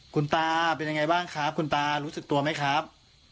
คุณตาเป็นยังไงบ้างครับคุณตารู้สึกตัวไหมครับ